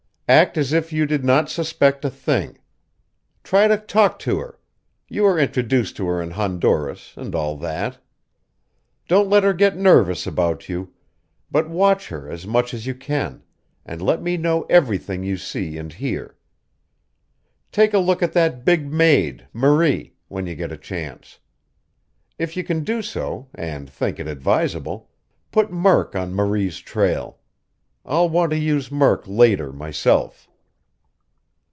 Act as if you did not suspect a thing. Try to talk to her you were introduced to her in Honduras, and all that. Don't let her get nervous about you, but watch her as much as you can, and let me know everything you see and hear. Take a look at that big maid, Marie, when you get a chance. If you can do so, and think it advisable, put Murk on Marie's trail. I'll want to use Murk later myself."